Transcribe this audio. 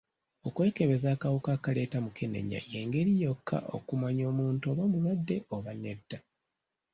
Okwekebeza akawuka akaleeta mukenenya y'engeri yokka okumanya omuntu oba mulwadde oba nedda.